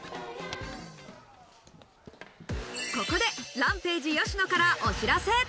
ここでＲＡＭＰＡＧＥ・吉野からお知らせ。